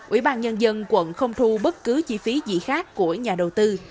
ủy ban nhân dân quận không thu bất cứ chi phí gì khác của nhà đầu tư